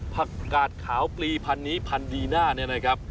ผักกาดขาวปลีพันนี้พันดีน่าเนี่ยนะครับ